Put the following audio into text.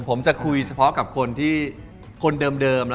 ผมจะคุยเฉพาะกับคนเดิม